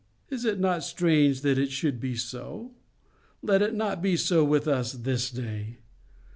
Is it not strange that it should be so? Let it not be so with us this day.